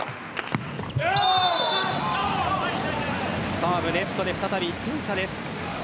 サーブ、ネットで再び１点差です。